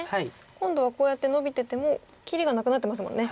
今度はこうやってノビてても切りがなくなってますもんね。